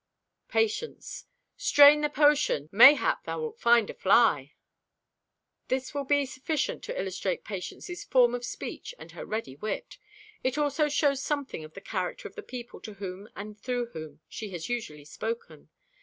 Patience.—"Strain the potion. Mayhap thou wilt find a fly." This will be sufficient to illustrate Patience's form of speech and her ready wit. It also shows something of the character of the people to whom and through whom she has usually spoken.